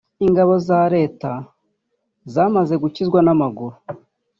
ingabo za Leta zamaze gukizwa n’amaguru